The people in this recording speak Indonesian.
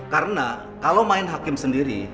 karena kalau main hakim sendiri